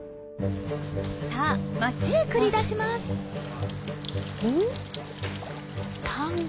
さぁ町へ繰り出しますん？